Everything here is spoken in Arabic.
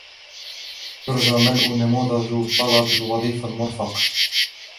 يرجى ملء نموذج طلب الوظيفة المرفق.